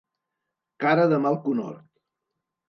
Cara de mal conhort.